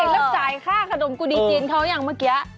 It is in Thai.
แล้วจ่ายค่าขนมกุดีจีนเขายังเมื่อกี้